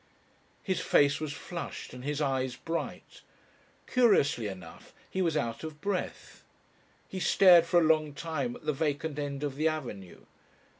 His face was flushed and his eyes bright. Curiously enough, he was out of breath. He stared for a long time at the vacant end of the avenue.